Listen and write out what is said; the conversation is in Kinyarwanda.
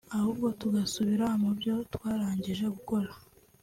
ahubwo tugasubira mu byo twarangije gukora